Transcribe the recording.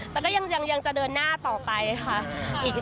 แต่ก็ยังจะเดินหน้าต่อไปค่ะ